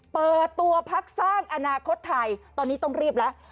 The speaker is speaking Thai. เปิดตัวพักสร้างอนาคตไทยตอนนี้ต้องรีบแล้ว